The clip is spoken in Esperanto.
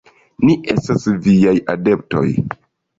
Ni estas viaj adeptoj.